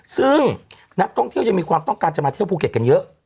ซึ่งนักท่องเที่ยวยังมีความต้องการจะมาเที่ยวภูเก็ตกันเยอะ